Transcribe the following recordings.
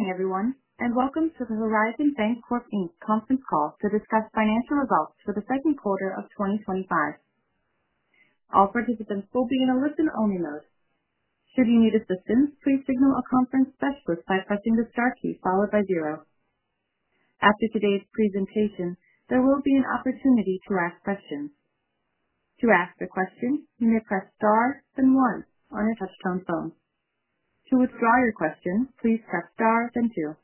Hey everyone, and welcome to the Horizon Bancorp Inc. conference call to discuss financial results for the Q2 of 2025. All participants will be in a listen-only mode. Should you need assistance, please signal a conference specialist by pressing the star key followed by zero. After today's presentation, there will be an opportunity to ask questions. To ask a question, you may press star then one on your touch-tone phone. To withdraw your question, please press star then two.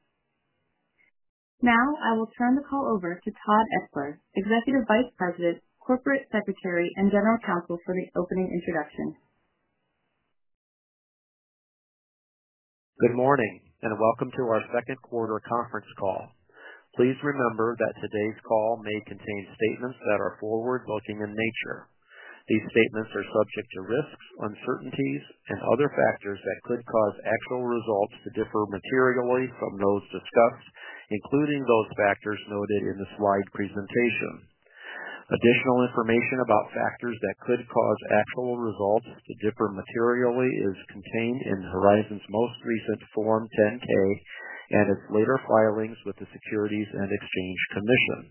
Now, I will turn the call over to Todd Etzler, Executive Vice President, Corporate Secretary, and General Counsel for the opening introduction. Good morning, and welcome to our Q2 conference call. Please remember that today's call may contain statements that are forward-looking in nature. These statements are subject to risks, uncertainties, and other factors that could cause actual results to differ materially from those discussed, including those factors noted in the slide presentation. Additional information about factors that could cause actual results to differ materially is contained in Horizon's most recent Form 10-Q, and its later filings with the Securities and Exchange Commission.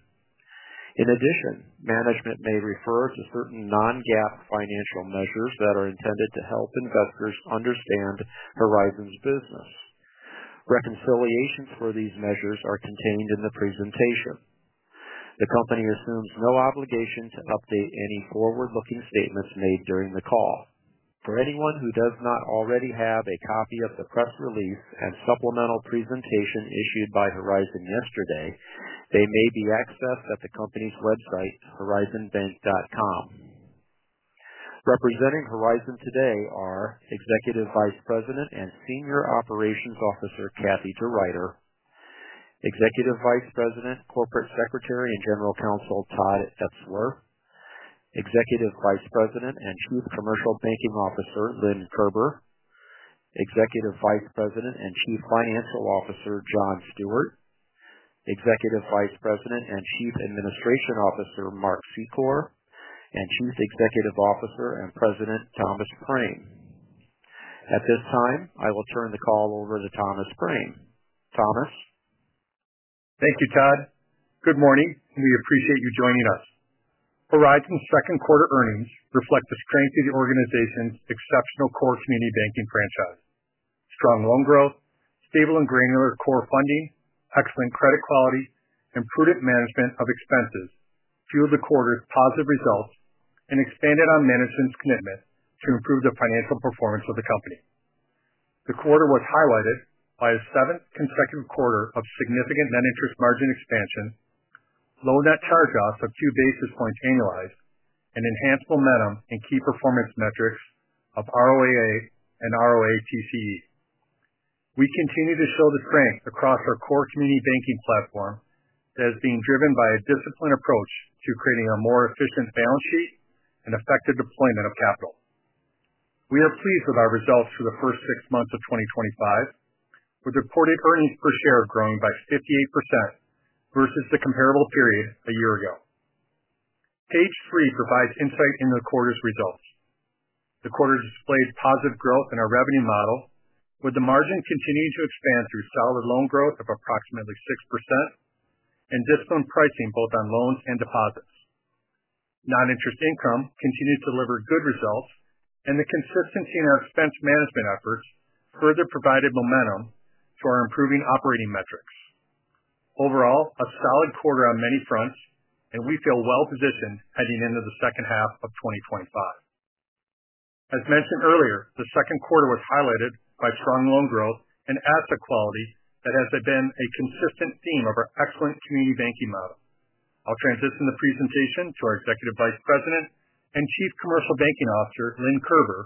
In addition, management may refer to certain non-GAAP financial measures that are intended to help investors understand Horizon's business. Reconciliations for these measures are contained in the presentation. The company assumes no obligation to update any forward-looking statements made during the call. For anyone who does not already have a copy of the press release and supplemental presentation issued by Horizon yesterday, they may be accessed at the company's website, horizonbank.com. Representing Horizon today are Executive Vice President and Senior Operations Officer Kathie DeRuiter, Executive Vice President, Corporate Secretary, and General Counsel Todd Etzler, Executive Vice President and Chief Commercial Banking Officer Lynn Kerber, Executive Vice President and Chief Financial Officer John Stewart, Executive Vice President and Chief Administration Officer Mark Secor, and Chief Executive Officer and President Thomas Prame. At this time, I will turn the call over to Thomas Prame. Thomas. Thank you, Todd. Good morning, and we appreciate you joining us. Horizon's Q2 earnings reflect the strength of the organization's exceptional core community banking franchise. Strong loan growth, stable and granular core funding, excellent credit quality, and prudent management of expenses fueled the quarter's positive results and expanded on management's commitment to improve the financial performance of the company. The quarter was highlighted by a seventh consecutive quarter of significant net interest margin expansion, low net charge-offs of two basis points annualized, and enhanced momentum in key performance metrics of ROAA and ROACE. We continue to show the strength across our core community banking platform that is being driven by a disciplined approach to creating a more efficient balance sheet and effective deployment of capital. We are pleased with our results for the first six months of 2025, with reported earnings per share growing by 58% versus the comparable period a year ago. Page three provides insight into the quarter's results. The quarter displayed positive growth in our revenue model, with the margins continuing to expand through solid loan growth of approximately 6% and disciplined pricing both on loans and deposits. Non-interest income continues to deliver good results, and the consistency in our expense management efforts further provided momentum to our improving operating metrics. Overall, a solid quarter on many fronts, and we feel well-positioned heading into the second half of 2025. As mentioned earlier, the Q2 was highlighted by strong loan growth and asset quality that has been a consistent theme of our excellent community banking model. I'll transition the presentation to our Executive Vice President and Chief Commercial Banking Officer Lynn Kerber,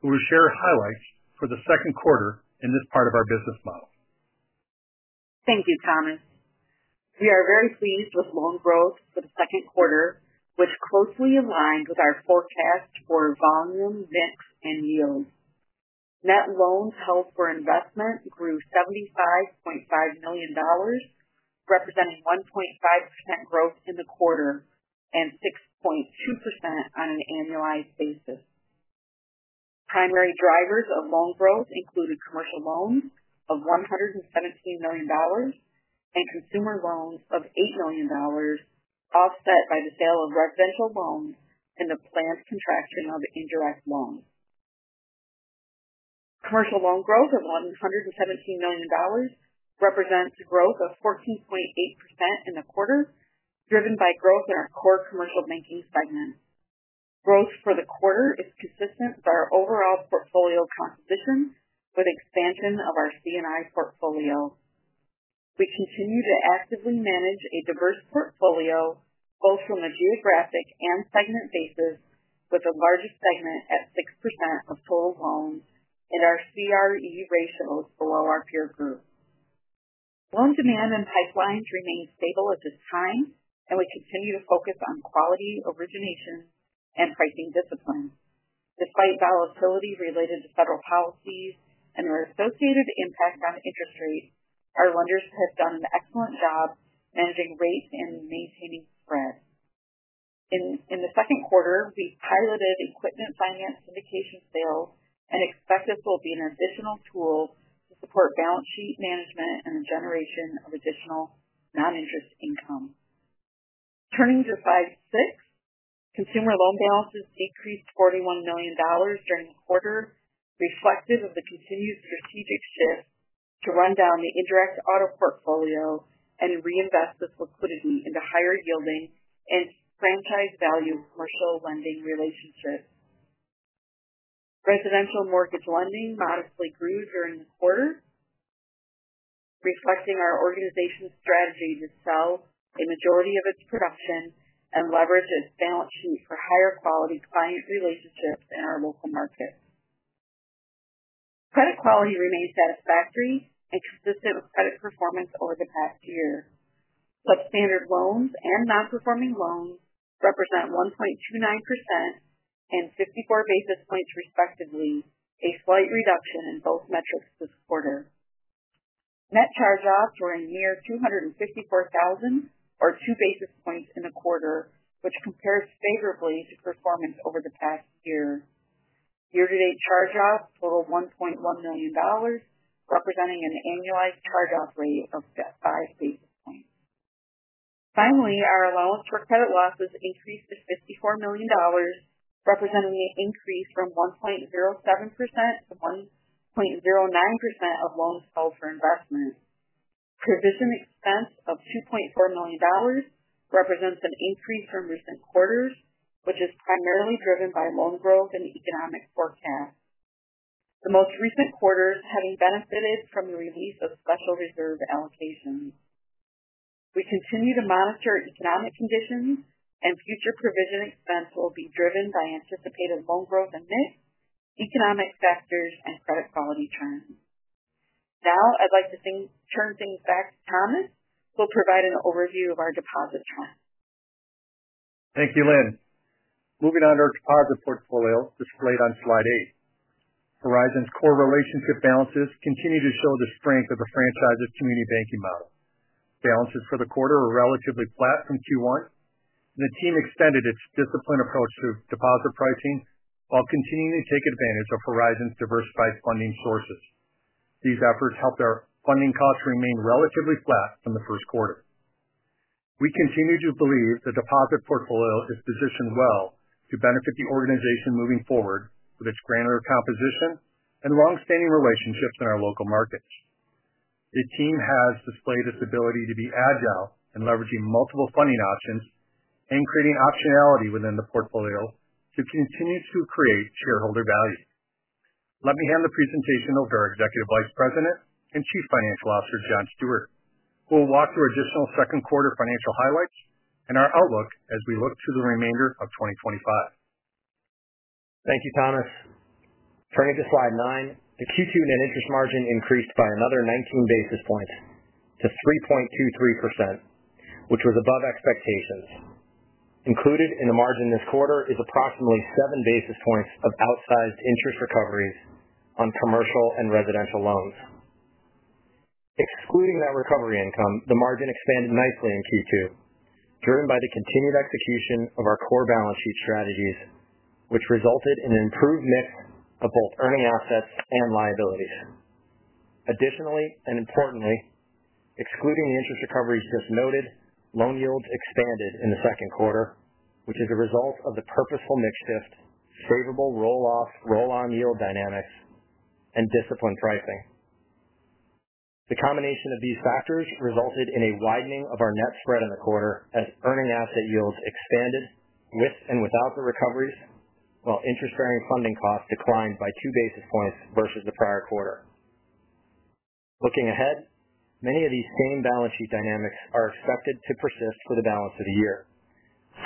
who will share highlights for the Q2 in this part of our business model. Thank you, Thomas. We are very pleased with loan growth for the Q2, which closely aligned with our forecast for volume, debt, and yield. Net loans held for investment grew $75.5 million, representing 1.5% growth in the quarter and 6.2% on an annualized basis. Primary drivers of loan growth included commercial loans of $117 million and consumer loans of $8 million, offset by the sale of residential loans and the planned contraction of indirect loans. Commercial loan growth of $117 million represents a growth of 14.8% in the quarter, driven by growth in our core commercial banking segment. Growth for the quarter is consistent with our overall portfolio composition, with expansion of our C&I portfolio. We continue to actively manage a diverse portfolio, both from a geographic and segment basis, with the largest segment at 6% of total loans and our CRE ratio below our peer group. Loan demand and pipelines remain stable at this time, and we continue to focus on quality, origination, and pricing discipline. Despite volatility related to federal policies and their associated impact on interest rates, our lenders have done an excellent job managing rates and maintaining spread. In the Q2, we piloted equipment financing vacation sales and expect this will be an additional tool to support balance sheet management and the generation of additional non-interest income. Turning to slide six, consumer loan balances decreased $41 million during the quarter, reflective of the continued strategic shift to run down the indirect auto portfolio and reinvest this liquidity into higher yielding and franchise value for sole lending relationships. Residential mortgage lending modestly grew during the quarter, reflecting our organization's strategy to sell a majority of its production and leverage its balance sheet for higher quality client relationships in our local market. Credit quality remains satisfactory and consistent with credit performance over the past year. Substandard loans and non-performing loans represent 1.29% and 54 basis points, respectively, a slight reduction in both metrics this quarter. Net charge-offs were $254,000 or 2 basis points in the quarter, which compares favorably to performance over the past year. Year-to-date charge-offs total $1.1 million, representing an annualized charge-off rate of just five basis points. Finally, our allowance for credit losses increased to $54 million, representing an increase from 1.07% to 1.09% of loans held for investment. Provision expense of $2.4 million represents an increase from recent quarters, which is primarily driven by loan growth and the economic forecast. The most recent quarters have benefited from the release of special reserve allocations. We continue to monitor economic conditions, and future provision expense will be driven by anticipated loan growth and debt, economic factors, and credit quality trends. Now, I'd like to turn things back to Thomas, who will provide an overview of our deposits. Thank you, Lynn. Moving on to our deposit portfolio displayed on slide eight, Horizon's core relationship balances continue to show the strength of the franchise's community banking model. Balances for the quarter were relatively flat in Q1, and the team extended its disciplined approach to deposit pricing while continuing to take advantage of Horizon's diversified funding sources. These efforts helped our funding costs remain relatively flat from the Q1. We continue to believe the deposit portfolio is positioned well to benefit the organization moving forward with its granular composition and longstanding relationships in our local markets. The team has displayed its ability to be agile in leveraging multiple funding options and creating optionality within the portfolio to continue to create shareholder value. Let me hand the presentation over to our Executive Vice President and Chief Financial Officer John Stewart, who will walk through additional Q2 financial highlights and our outlooks as we look to the remainder of 2025. Thank you, Thomas. Turning to slide nine, the Q2 net interest margin increased by another 19 basis points to 3.23%, which was above expectations. Included in the margin this quarter is approximately 7 basis points of outsized interest recoveries on commercial and residential loans. Excluding that recovery income, the margin expanded nicely in Q2, driven by the continued execution of our core balance sheet strategies, which resulted in an improved mix of both earning assets and liabilities. Additionally, and importantly, excluding the interest recoveries just noted, loan yield expanded in the Q2, which is a result of the purposeful mix-shift, favorable roll-on yield dynamics, and disciplined pricing. The combination of these factors resulted in a widening of our net spread in the quarter as earning asset yields expanded with and without the recoveries, while interest-bearing funding costs declined by 2 basis points versus the prior quarter. Looking ahead, many of these same balance sheet dynamics are expected to persist for the balance of the year,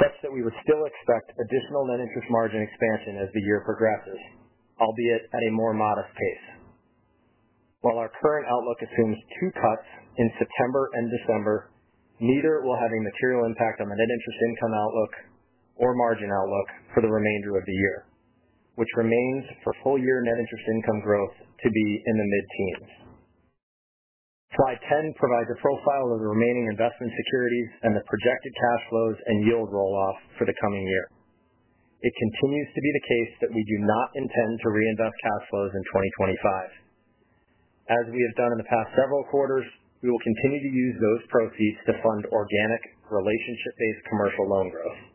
such that we would still expect additional net interest margin expansion as the year progresses, albeit at a more modest pace. While our current outlook assumes two cuts in September and December, neither will have a material impact on the net interest income outlook or margin outlook for the remainder of the year, which remains for full-year net interest income growth to be in the mid-teens. Slide 10 provides a profile of the remaining investment securities and the projected cash flows and yield rollouts for the coming year. It continues to be the case that we do not intend to reinvest cash flows in 2025. As we have done in the past several quarters, we will continue to use those proceeds to fund organic, relationship-based commercial loans.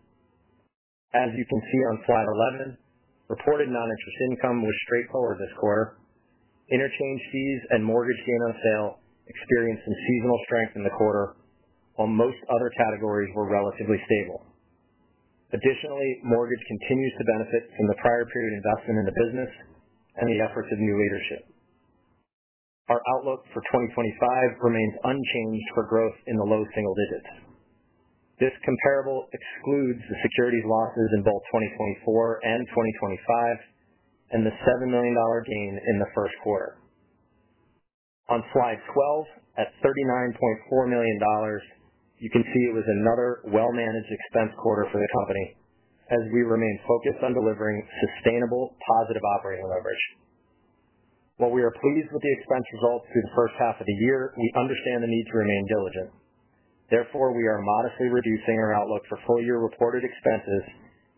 As you can see on slide 11, reported non-interest income was straightforward this quarter. Interest fees and mortgage payment sale experienced some seasonal strength in the quarter, while most other categories were relatively stable. Additionally, mortgage continues to benefit from the prior period investment in the business and the efforts of new leadership. Our outlook for 2025 remains unchanged for growth in the low single-digits. This comparable excludes the securities losses in both 2024 and 2025 and the $7 million gain in the Q1. On slide 12, at $39.4 million, you can see it was another well-managed expense quarter for the company, as we remain focused on delivering sustainable positive operating leverage. While we are pleased with the expense results through the first half of the year, we understand the need to remain diligent. Therefore, we are modestly reducing our outlook for full-year reported expenses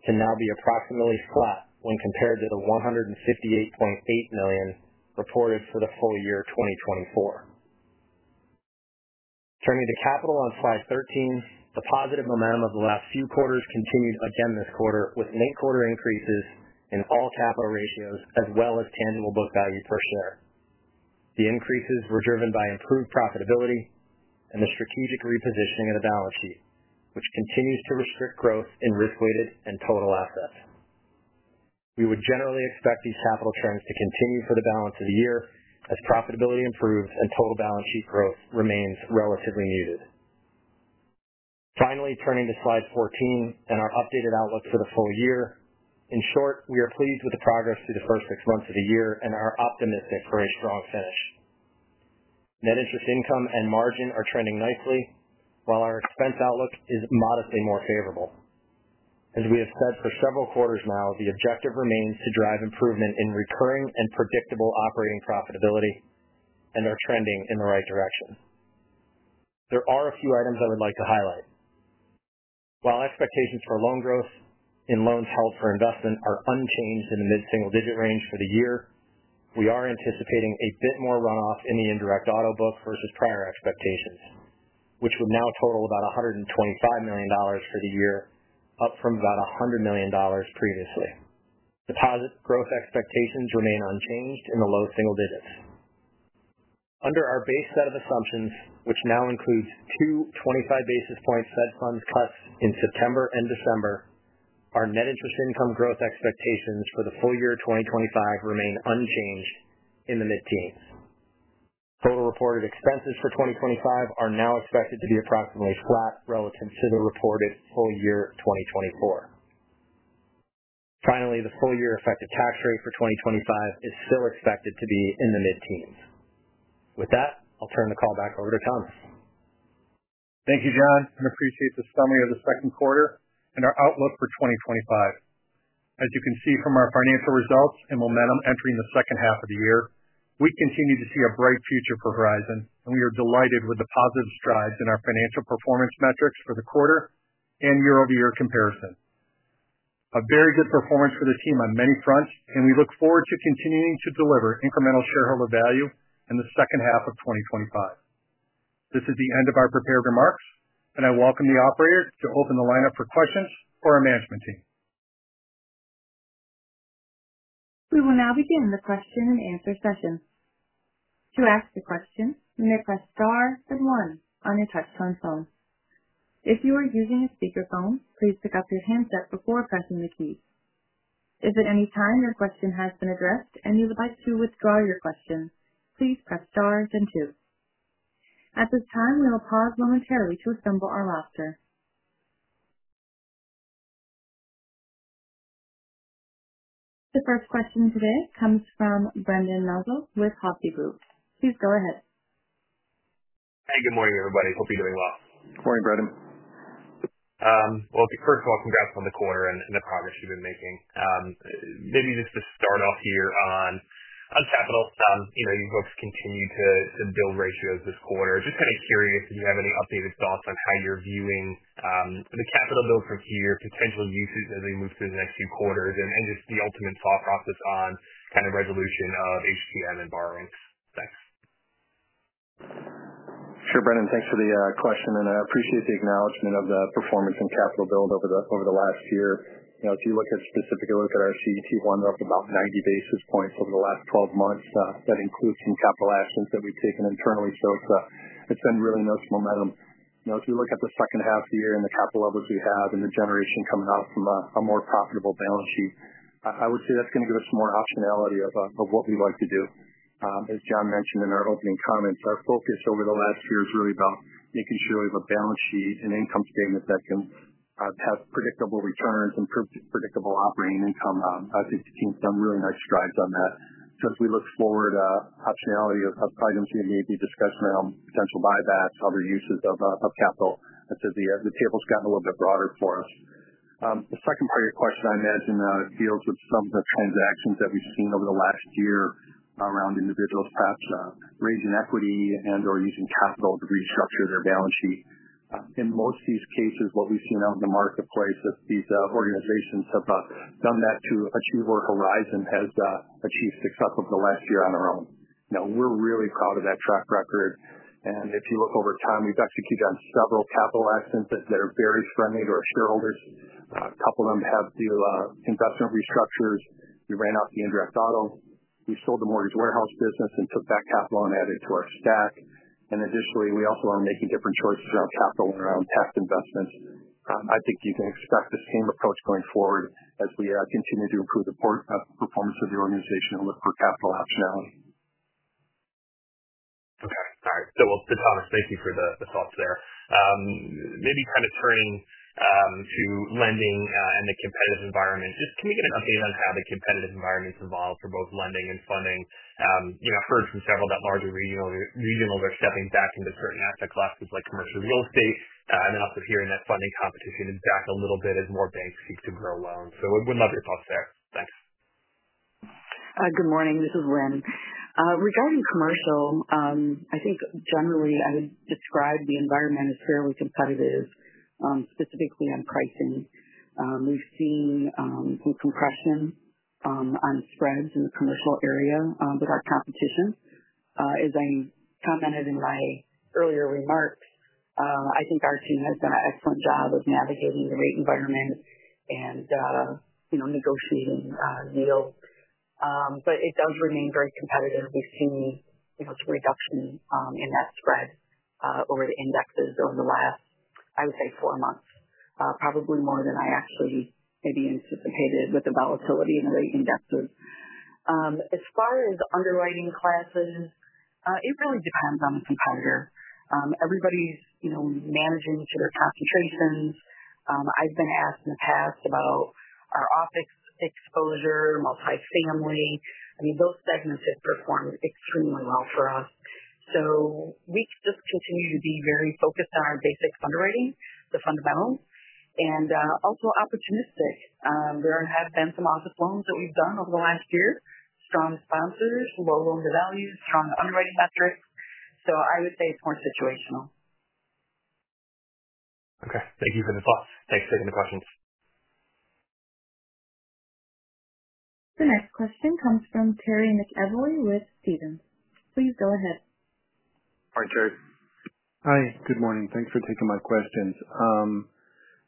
to now be approximately flat when compared to the $158.8 million reported for the full year 2024. Turning to capital on slide 13, the positive momentum of the last few quarters continued again this quarter with mid-quarter increases in all capital ratios, as well as tangible book value per share. The increases were driven by improved profitability and the strategic repositioning of the balance sheet, which continues to restrict growth in risk-weighted and total assets. We would generally expect these capital trends to continue for the balance of the year as profitability improves and total balance sheet growth remains relatively muted. Finally, turning to slide 14 and our updated outlook for the full year, in short, we are pleased with the progress through the first six months of the year and are optimistic for a strong finish. Net interest income and margin are trending nicely, while our expense outlook is modestly more favorable. As we have said for several quarters now, the objective remains to drive improvement in recurring and predictable operating profitability and are trending in the right direction. There are a few items I would like to highlight. While expectations for loan growth in loans held for investment are unchanged in the mid-single-digit range for the year, we are anticipating a bit more runoff in the indirect auto portfolio versus prior expectations, which would now total about $125 million for the year, up from about $100 million previously. Deposit growth expectations remain unchanged in the low single-digits. Under our base set of assumptions, which now includes two 25 basis points Fed fund cuts in September and December, our net interest income growth expectations for the full year 2025 remain unchanged in the mid-teens. Total reported expenses for 2025 are now expected to be approximately flat relative to the reported full year 2024. Finally, the full year effective tax rate for 2025 is still expected to be in the mid-teens. With that, I'll turn the call back over to Thomas. Thank you, John, and appreciate the summary of the Q2 and our outlook for 2025. As you can see from our financial results and momentum entering the second half of the year, we continue to see a bright future for Horizon Bancorp Inc., and we are delighted with the positive strides in our financial performance metrics for the quarter and year-over-year comparison. A very good performance for the team on many fronts, and we look forward to continuing to deliver incremental shareholder value in the second half of 2025. This is the end of our prepared remarks, and I welcome the operators to open the line up for questions for our management team. We will now begin the Q&A session. To ask a question, you may press star then one on your touch-tone phone. If you are using a speaker phone, please pick up your handset before pressing your keys. If at any time your question has been addressed and you would like to withdraw your question, please press star then two. At this time, we will pause momentarily to assemble our roster. The first question today comes from Brendan Nosal with Hovde Group. Please go ahead. Hey, good morning, everybody. Hope you're doing well. Morning Brendan. First of all, congrats on the quarter and the progress you've been making. Maybe just to start off here on capital, you folks continue to build ratios this quarter. Just kind of curious if you have any updated thoughts on your viewing for the capital build from here, potential usage as they move through the next two quarters, and just the ultimate thought process on resolution of ACM and borrowing. Thanks. Sure, Brendan, thanks for the question, and I appreciate the acknowledgment of the performance in capital build over the last year. If you specifically look at our CET1, they're up about 90 basis points over the last 12 months. That includes some capital actions that we've taken internally, so it's been really nice momentum. If you look at the second half of the year and the capital level that we have and the generation coming off from a more profitable balance sheet, I would say that's going to give us more optionality of what we'd like to do. As John mentioned in our opening comments, our focus over the last year is really about making sure we have a balance sheet and income statement that can have predictable returns and predictable operating income. I think the team's done really nice strides on that. As we look forward to optionality of how the pregnancy and ED discussion around potential buybacks, other uses of capital, as the table's gotten a little bit broader for us. The second part of your question, I imagine, deals with some of the tone of actions that we've seen over the last year around individuals perhaps raising equity and/or using capital to restructure their balance sheet. In most of these cases, what we've seen out in the marketplace is these organizations have done that to achieve where Horizon has achieved success over the last year on their own. We're really proud of that track record, and if you look over time, we've executed on several capital actions that are very strongly to our shareholders. A couple of them have to do with investment restructures. We ran off the indirect auto portfolio. We sold the mortgage warehouse business and took that capital and added to our stack. Additionally, we also are making different choices around capital and around tax investment. I think you can expect the same approach going forward as we continue to improve the performance of the organization and look for capital optionality. Okay, all right. Thank you for the thoughts there. Maybe kind of turning to lending and the competitive environment, can you get an update on how the competitive environment's evolved for both lending and funding? I've heard from several that largely regional, we're stepping back into certain asset classes like commercial real estate, and also hearing that funding competition has backed a little bit as more banks choose to grow loans. What are your thoughts there? Thanks. Good morning, this is Lynn. Regarding commercial, I think generally I would describe the environment as fairly competitive, specifically on pricing. We've seen some compression on spreads in the commercial area with our competition. As I commented in my earlier remarks, I think our team has done an excellent job of navigating the rate environment and, you know, negotiating yield. It does remain very competitive. We've seen some reduction in that spread over the indexes over the last, I would say, four months, probably more than I actually maybe anticipated with the volatility in the rate indexes. As far as underwriting classes, it really depends on the competitor. Everybody's managing each of their concentrations. I've been asked in the past about our office exposure, multi-family. Those segments have performed extremely well for us. We just continue to be very focused on our basic underwriting, the fundamental, and also opportunistic. There have been some office loans that we've done over the last year, strong sponsors, low loan to value, strong underwriting metrics. I would say it's more situational. Okay, thank you for the thoughts. Thanks for the questions. The next question comes from Terry McEvoy with Stephens. Please go ahead. All right, Terry. Hi, good morning. Thanks for taking my questions.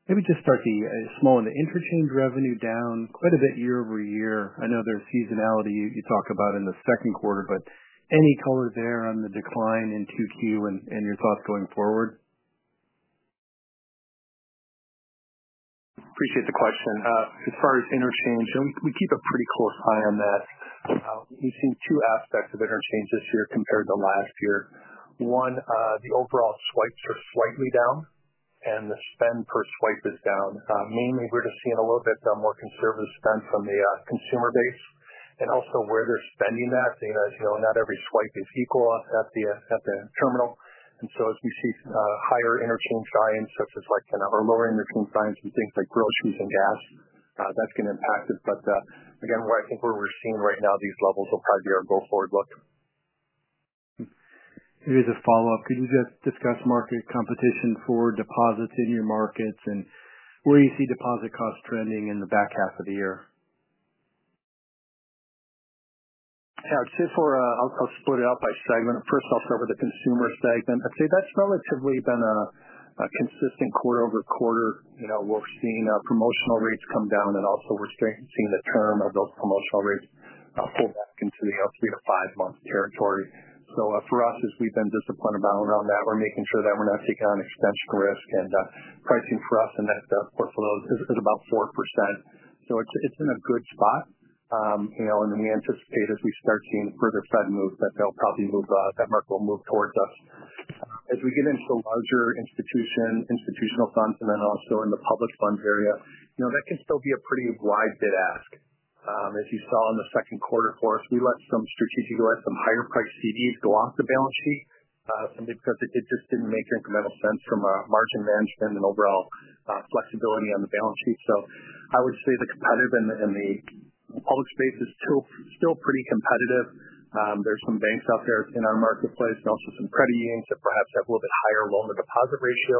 Maybe just start with a small one. The interchange revenue down quite a bit year-over-year. I know there's seasonality you talk about in the Q2, but any color there on the decline in Q2 and your thoughts going forward? Appreciate the question. As far as interchange, we keep a pretty close eye on that. We've seen two aspects of interchange this year compared to last year. One, the overall swipes are slightly down and the spend per swipe is down. Mainly, we're just seeing a little bit more conservative spend from the consumer base and also where they're spending that. You know, as you know, not every swipe is equal at the terminal. As we see higher interchange buy-ins, such as in our lower interchange buy-ins and things like groceries and gas, that's going to impact us. Again, I think where we're seeing right now, these levels will probably be our go-forward look. Here's a follow-up. Could you discuss market competition for deposits in your markets and where you see deposit costs trending in the back half of the year? Yeah, I'd say for, I'll split it up by segment. First, I'll cover the consumer segment. I'd say that's relatively been a consistent quarter over quarter. We're seeing promotional rates come down and also we're starting to see the term of those promotional rates fall back into the 3-5 territory. For us, as we've been disciplined around that, we're making sure that we're not taking on expense risk and pricing for us in that portfolio is about 4%. It's in a good spot. We anticipate as we start seeing further Fed moves that they'll probably move, that market will move towards us. As we get into larger institutional funds and then also in the public fund area, that can still be a pretty wide bid ask. As you saw in the Q2 for us, we strategically let some higher priced CDs go off the balance sheet because it just didn't make incremental sense from a margin management and overall flexibility on the balance sheet. I would say the competitive in the public space is still pretty competitive. There are some banks out there in our marketplace and also some credit unions that perhaps have a little bit higher loan to deposit ratio.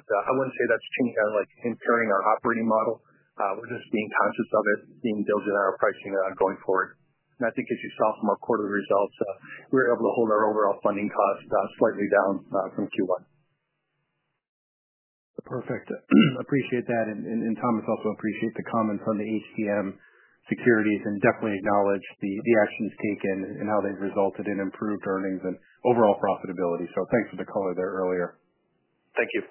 I wouldn't say that's changed our insuring our operating model. We're just being conscious of it, being diligent in our pricing going forward. I think as you saw from our quarterly results, we were able to hold our overall funding cost slightly down from Q1. Perfect. Appreciate that. Thomas also appreciates the comments on the ACM securities and definitely acknowledge the actions taken and how they've resulted in improved earnings and overall profitability. Thanks for the color there earlier. Thank you.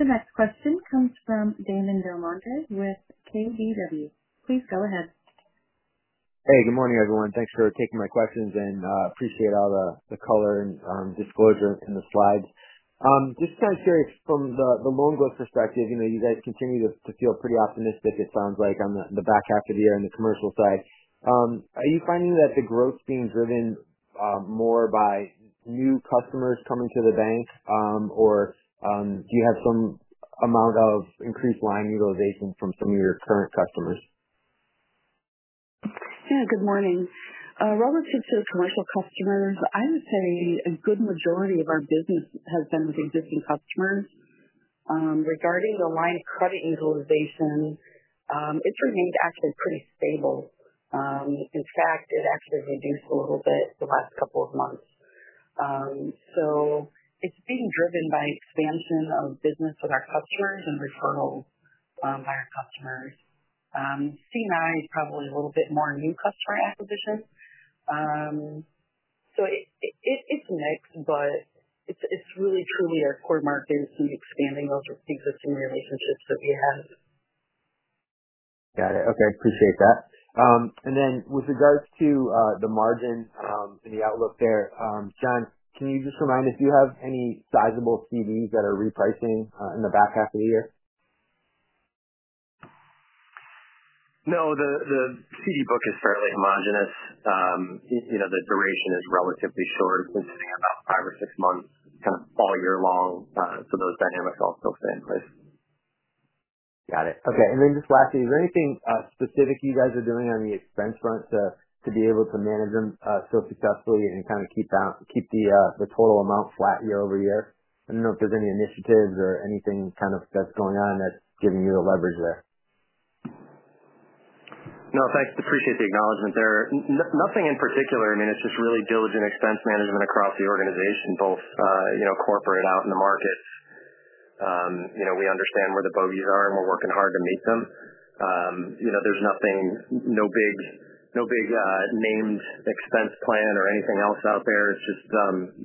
The next question comes from Damon DelMonte with KBW. Please go ahead. Hey, good morning everyone. Thanks for taking my questions and I appreciate all the color and disclosure in the slides. Just kind of curious from the loan growth perspective, you know, you guys continue to feel pretty optimistic, it sounds like, on the back half of the year on the commercial side. Are you finding that the growth's being driven more by new customers coming to the bank, or do you have some amount of increased line utilization from some of your current customers? Yeah, good morning. Relative to the commercial customers, I would say a good majority of our business has been with existing customers. Regarding the line of credit utilization, it's remained actually pretty stable. In fact, it actually reduced a little bit the last couple of months. It's being driven by expansion of business with our customers and referrals by our customers. C&I is probably a little bit more new customer acquisition. It's mixed, but it's really truly our core market and expanding over these two years and just three years. Got it. Okay, I appreciate that. Then with regards to the margin and the outlook there, John, can you just remind us, do you have any sizable CDs that are repricing in the back half of the year? No, the CD book is fairly homogenous. You know, the duration is relatively short. It's about five or six months, kind of all year long, so those dynamics also stay in place. Got it. Okay. Is there anything specific you guys are doing on the expense front to be able to manage them so successfully and kind of keep the total amount flat year-over-year? I don't know if there's any initiatives or anything kind of that's going on that's giving you the leverage there. No, thanks. I appreciate the acknowledgment there. Nothing in particular. I mean, it's just really diligent expense management across the organization, both, you know, corporate out in the markets. We understand where the bogeys are and we're working hard to meet them. There's nothing, no big, no big named expense plan or anything else out there. It's just,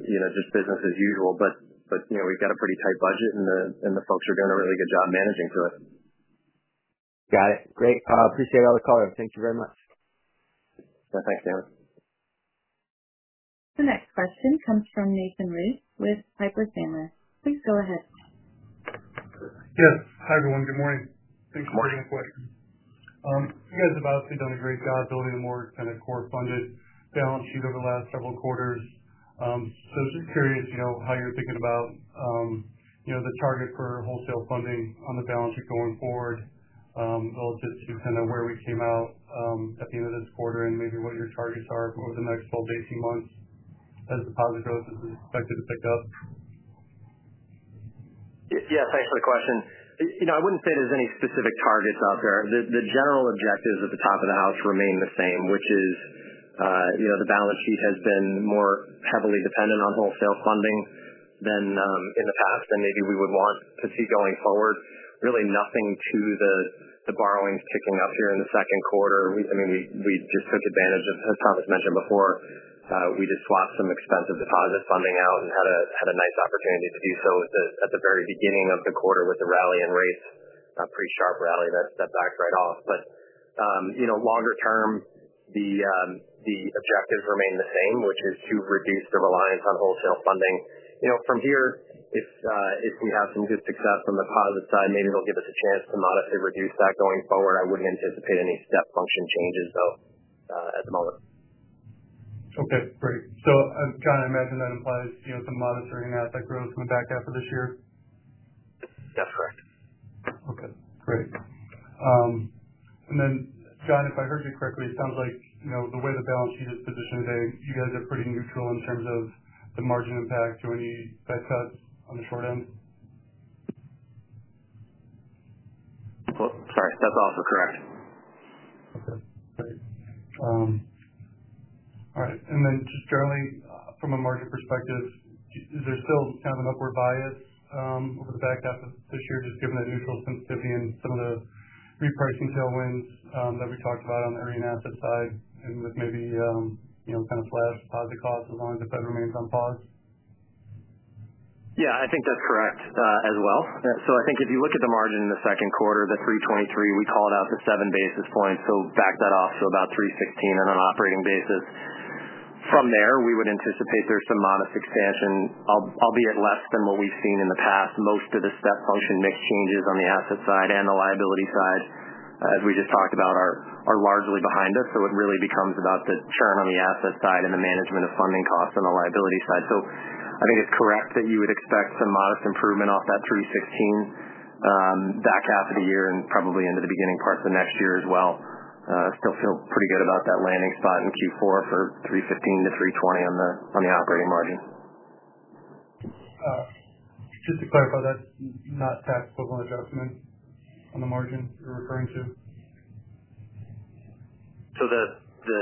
you know, just business as usual. We've got a pretty tight budget and the folks are doing a really good job managing for us. Got it. Great. I appreciate all the call, and thank you very much. Yeah, thanks, Damon. The next question comes from Nathan Race with Piper Sandler. Please go ahead. Yes. Hi everyone, good morning. Thanks for the question. You guys have obviously done a great job building a more kind of core funded balance sheet over the last several quarters. I was just curious, you know, how you're thinking about, you know, the target for wholesale funding on the balance sheet going forward. I'll just be kind of where we came out at the end of this quarter and maybe what your targets are over the next 12-18 months as the positive growth is expected to pick up. Yeah, thanks for the question. I wouldn't say there's any specific targets out there. The general objectives at the top of the house remain the same, which is, the balance sheet has been more heavily dependent on wholesale funding than in the past, and maybe we would want to see going forward really nothing to the borrowings picking up here in the Q2. We just took advantage of, as Thomas mentioned before, we just swapped some expensive deposit funding out and had a nice opportunity to do so at the very beginning of the quarter with the rally in rates. A pretty sharp rally that backed right off. Longer term, the objectives remain the same, which is to reduce the reliance on wholesale funding. From here, if we have some good success from the positive side, maybe it'll give us a chance to modestly reduce that going forward. I wouldn't anticipate any step function changes though at the moment. Okay, great. John, I imagine that implies, you know, some modest earning asset growth in the back half of this year? That's correct. Okay, great. John, if I heard you correctly, it sounds like the way the balance sheet is positioned there, you guys are pretty neutral in terms of the margin impacts or any rate cuts on the short end? Sorry, that's also correct. All right. Just generally, from a margin perspective, is there still kind of an upward bias over the back half of this year, just given that neutral sensitivity and some of the repricing tailwinds that we talked about on the earning asset side and with maybe, you know, kind of flat positive costs as long as the Fed remains on pause? Yeah, I think that's correct as well. I think if you look at the margin in the Q2, the 3.23%, we call it out to seven basis points, so back that off to about 3.16 on an operating basis. From there, we would anticipate there's some modest expansion, albeit less than what we've seen in the past. Most of the step function mix changes on the asset side and the liability side, as we just talked about, are largely behind us. It really becomes about the churn on the asset side and the management of funding costs on the liability side. I think it's correct that you would expect some modest improvement off that 3.16 basis points, back half of the year and probably into the beginning parts of next year as well. feel pretty good about that landing spot in the Q4 for3.20 basis points on the operating margin. Just to clarify, that's not tax equivalent adjustment on the margin you're referring to? The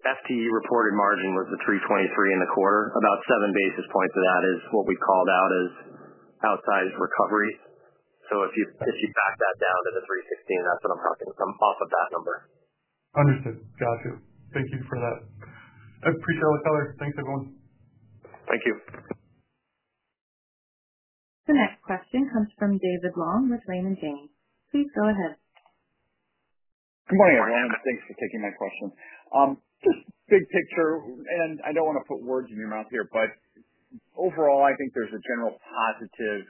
FTE reported margin was the 3.23 basis points in the quarter. About 7 basis points of that is what we called out as outsized recoveries. If you back that down to the 3.16 basis points, that's what I'm talking about. I'm off of that number. Understood. Got you. Thank you for that. I appreciate all the color. Thanks, everyone. Thank you. The next question comes from David Long with Raymond James. Please go ahead. Good morning, everyone, and thanks for taking that question. Big picture, and I don't want to put words in your mouth here, but overall, I think there's a general positive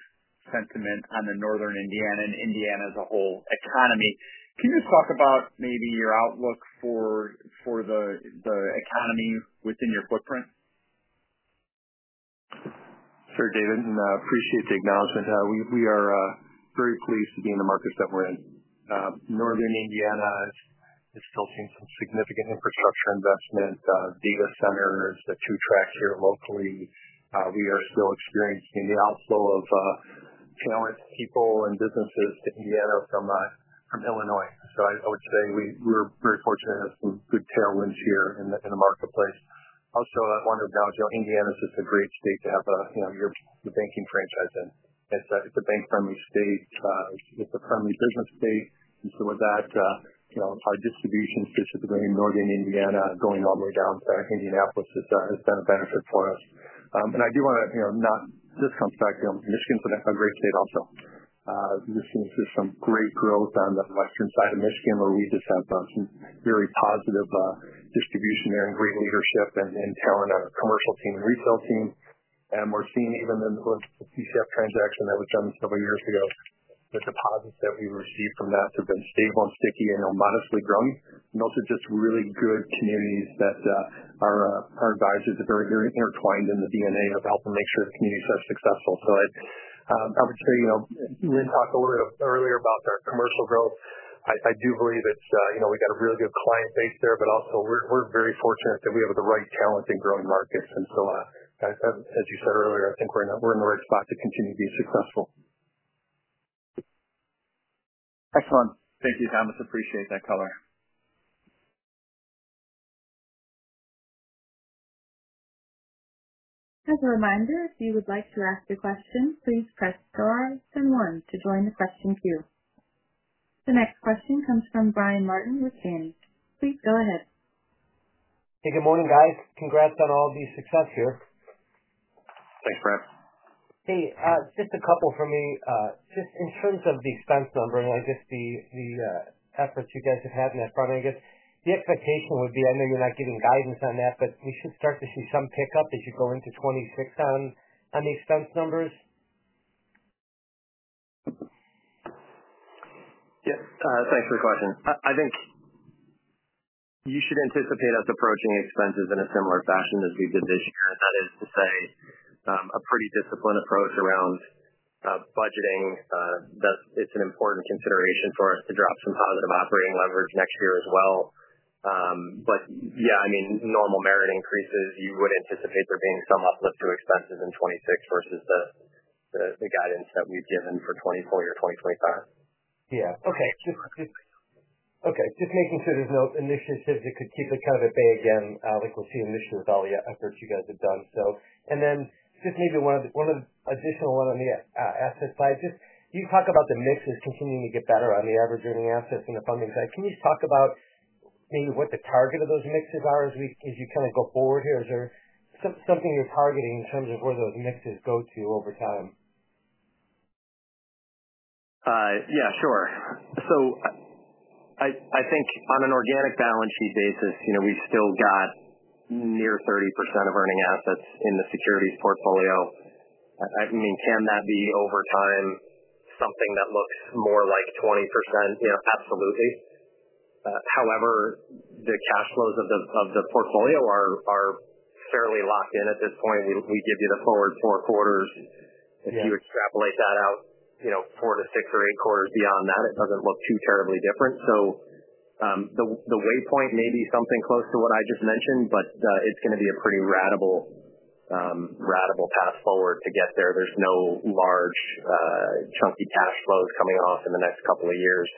sentiment on the northern Indiana and Indiana as a whole economy. Can you talk about maybe your outlook for the economy within your footprint? Sure, David, and I appreciate the acknowledgment. We are very pleased to be in the markets that we're in. Northern Indiana is still seeing some significant infrastructure investment. Davis Center is the two tracks here locally. We are still experiencing the outflow of talents, people, and businesses to Indiana from Illinois. I would say we're very fortunate to have some good tailwinds here in the marketplace. Also, I want to acknowledge that Indiana is such a great state to have your banking franchise in. It's a bank-friendly state. It's a friendly business state. With that, our distribution specifically in Northern Indiana going all the way down to Indianapolis has been a benefit for us. I do want to not discount speculation on Michigan, but a great state also. Michigan has some great growth on the western side of Michigan, where we just have some very positive distribution there and great leadership and talent on our commercial team and retail team. We're seeing even in the CCS transaction that was done several years ago, the deposits that we've received from that have been stable and sticky and modestly growing. Also, just really good communities that our advisors are very intertwined in the DNA of helping make sure the communities are successful. I would say, you and talked a little bit earlier about our commercial growth. I do believe it's, you know, we got a really good client base there, but also we're very fortunate that we have the right talent in growing markets. As you said earlier, I think we're in the right spot to continue to be successful. Excellent. Thank you, Thomas. Appreciate that color. As a reminder, if you would like to ask a question, please press star then one to join the question queue. The next question comes from Brian Martin with Janney. Please go ahead. Hey, good morning, guys. Congrats on all the success here. Thanks, Brent. Hey, just a couple for me. Just in terms of the expense number, like just the efforts you guys have had in that project, I guess the expectation would be, I know you're not giving guidance on that, but we should start to see some pickup as you go into 2026 on the expense numbers. Yes, thanks for the question. I think you should anticipate us approaching expenses in a similar fashion as we did this year. That is to say, a pretty disciplined approach around budgeting. It's an important consideration for us to drop some positive operating leverage next year as well. Yeah, I mean, normal merit increases, you would anticipate there being some uplift to expenses in 2026 versus the guidance that we've given for 2024 or 2025. Okay, just making sure there's no initiatives that could keep the caveat. Again, like we'll see initially with all the efforts you guys have done. Maybe one additional on the asset side, you talk about the mix is continuing to get better on the average earning assets and the funding side. Can you just talk about maybe what the target of those mixes are as you kind of go forward here? Is there something you're targeting in terms of where those mixes go to over time? Yeah, sure. I think on an organic balance sheet basis, we've still got near 30% of earning assets in the securities portfolio. I mean, can that be over time something that looks more like 20%? Absolutely. However, the cash flows of the portfolio are fairly locked in at this point. We give you the full four quarters. If you extrapolate that out, four to six or eight quarters beyond that, it doesn't look too terribly different. The waypoint may be something close to what I just mentioned, but it's going to be a pretty radical path forward to get there. There's no large, chunky cash flows coming off in the next couple of years.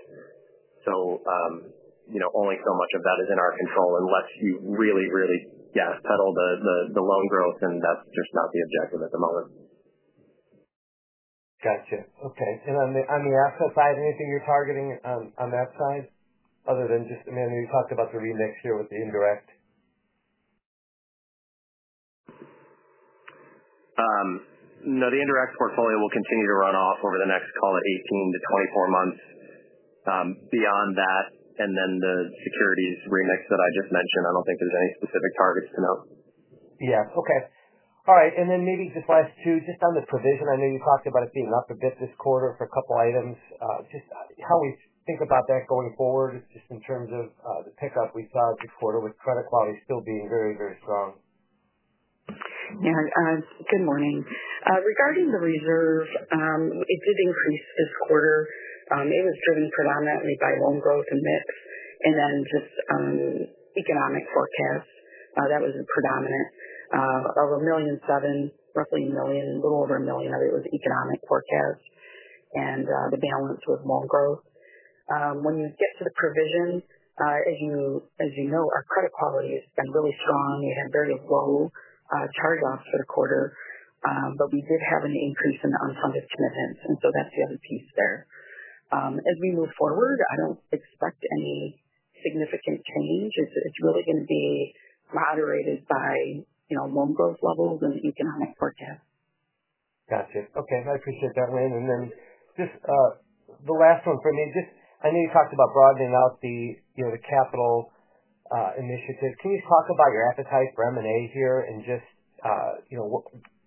Only so much of that is in our control unless you really, really gas pedal the loan growth, and that's just not the objective at the moment. Gotcha. Okay. On the actual side, anything you're targeting on that side other than just, I mean, I know you talked about the remix here with the indirect. No, the indirect auto portfolio will continue to run off over the next, call it, 18-24 months. Beyond that, and then the securities remix that I just mentioned, I don't think there's any specific targets to know. Yeah, okay. All right. Maybe just last two, just on the provision, I know you talked about it being up a bit this quarter for a couple of items. Just how we think about that going forward is just in terms of the pickup we saw this quarter with credit quality still being very, very strong. Good morning. Regarding the reserve, it did increase this quarter. It was driven predominantly by loan growth and MIPS, and then just economic forecasts. That was predominant. Of $1,070,000 million, roughly $1 million, a little over $1 million of it was economic forecasts, and the balance was loan growth. When you get to the provision, as you know, our credit quality has been really strong. We had very low charge-offs for the quarter, but we did have an increase in the unfunded commitments, and so that's the other piece there. As we move forward, I don't expect any significant change. It's really going to be moderated by loan growth levels and economic forecasts. Gotcha. Okay, I appreciate that, Lynn. Just the last one, from me, I know you talked about broadening out the capital initiative. Can you talk about your appetite for M&A here and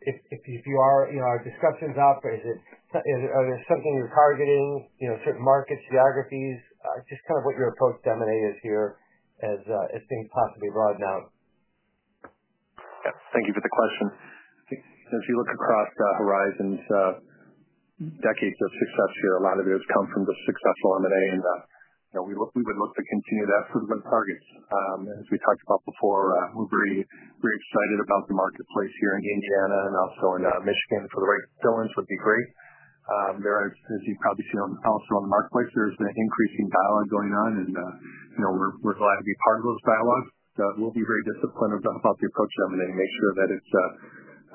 if you are, are discussions up? Is it, are there something you're targeting, certain markets, geographies? Just kind of what your approach to M&A is here as things possibly broaden out. Yes, thank you for the question. As you look across Horizon Bancorp Inc.'s decades of success here, a lot of it has come from successful M&A, and we would look to continue that for the targets. As we talked about before, we're very excited about the marketplace here in Indiana and also in Michigan, so the right filler in would be great. As you've probably seen also in the marketplace, there's an increasing dialogue going on, and we're glad to be part of those dialogues. We'll be very disciplined about the approach to M&A and make sure that it's,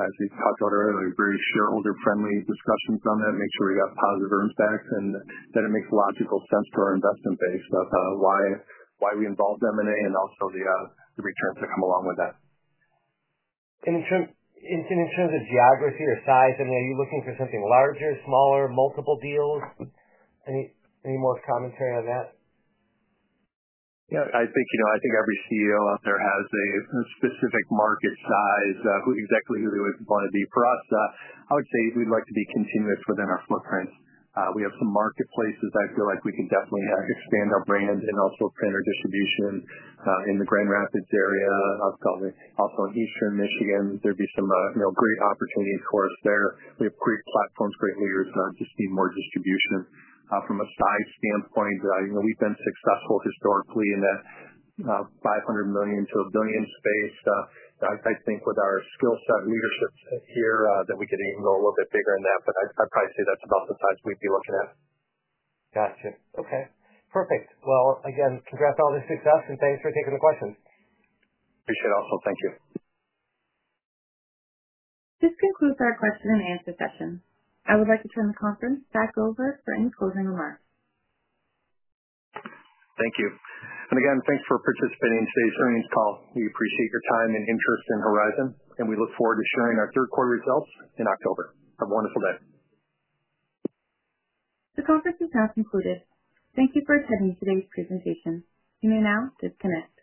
as you talked about earlier, very shareholder-friendly discussions on that, make sure we have positive earnings backs, and that it makes logical sense to our investment base of why we involve M&A and also the returns that come along with that. In terms of geography or size, are you looking for something larger, smaller, multiple deals? Any more commentary on that? I think every CEO out there has a specific market size, exactly who they would want to be. For us, I would say we'd like to be continuous within our footprints. We have some marketplaces that I feel like we could definitely expand our brand and also print our distribution in the Grand Rapids area. I'll call it also in eastern Michigan. There'd be some great opportunities for us there. We have great platforms for leaders to see more distribution from a size standpoint. We've been successful historically in that $500 million to $1 billion space. I think with our skill set leadership here, we could even go a little bit bigger than that, but I'd probably say that's about the size we'd be looking at. Gotcha. Okay, perfect. Again, congrats on all the success and thanks for taking the questions. Appreciate it also. Thank you. This concludes our Q&A session. I would like to turn the conference back over for any closing remarks. Thank you. Again, thanks for participating in today's earnings call. We appreciate your time and interest in Horizon, and we look forward to sharing our Q3 results in October. Have a wonderful day. The conference is now concluded. Thank you for attending today's presentation. You may now disconnect.